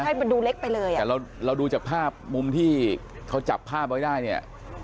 ใช่มันดูเล็กไปเลยอ่ะแต่เราเราดูจากภาพมุมที่เขาจับภาพไว้ได้เนี่ย